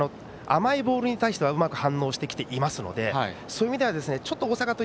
甘いボールに対してはうまく反応してきているのでそういう意味ではちょっと大阪桐蔭